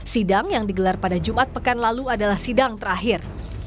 sidang yang digelar pada jumat pekan lalu adalah sidang terakhir